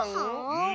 うん。